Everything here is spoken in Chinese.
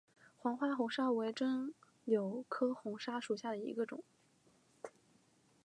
黄花红砂为柽柳科红砂属下的一个种。